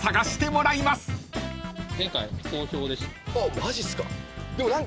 マジっすか。